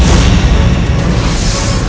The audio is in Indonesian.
dan menangkan mereka